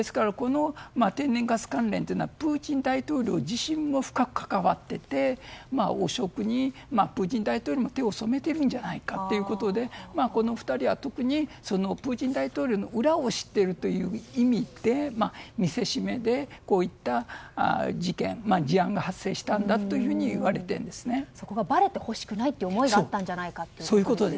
天然ガス関連というのはプーチン大統領自身も深く関わっていて汚職にプーチン大統領も手を染めているんじゃないかということでこの２人は特にプーチン大統領の裏を知っているという意味で見せしめでこういった事件事案が発生したというふうにそれがばれてほしくないという思いがあったんじゃないかと。